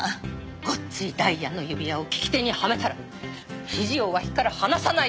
ごっついダイヤの指輪を利き手にはめたら肘を脇から離さないような。